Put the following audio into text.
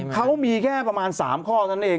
เขามีแค่ประมาณ๓ข้อเท่านั้นเอง